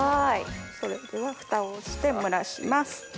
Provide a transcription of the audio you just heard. それではフタをして蒸らします。